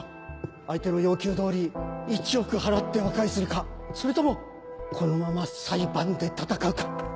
相手の要求通り１億払って和解するかそれともこのまま裁判で戦うか。